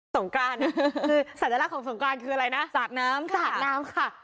สงกรานคือสัญลักษณ์ของสงกรานคืออะไรนะสาดน้ำสาดน้ำค่ะ